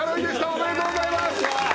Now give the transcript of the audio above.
おめでとうございます。